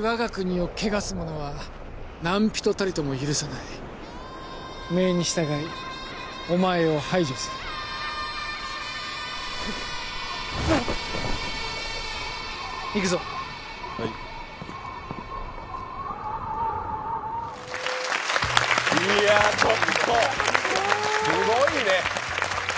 我が国を汚す者は何人たりとも許さない命に従いお前を排除するうっあっ行くぞはいいや、ちょっとすごいね。